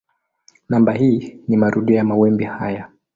Namba hii ni marudio ya mawimbi haya.